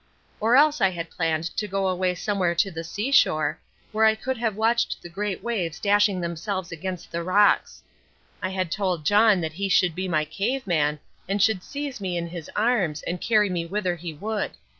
Or else I had planned to go away somewhere to the seashore, where I could have watched the great waves dashing themselves against the rocks. I had told John that he should be my cave man, and should seize me in his arms and carry me whither he would.